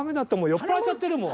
酔っ払っちゃってるもん。